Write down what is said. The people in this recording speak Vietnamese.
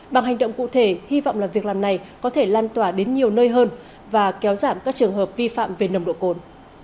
bằng hành động cụ thể hy vọng là việc làm này có thể lan tỏa đến nhiều nơi hơn và kéo giảm các trường hợp vi phạm về nồng độ cồn